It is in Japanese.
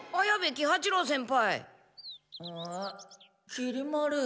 きり丸。